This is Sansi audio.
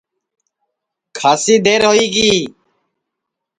کھاسی دیر ہوئی گی